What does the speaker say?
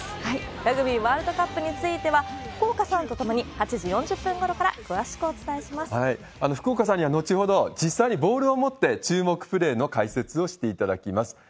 ラグビーワールドカップについては、福岡さんと共に、８時４福岡さんには後ほど、実際にボールを持って、注目プレーの解説をしていただきます。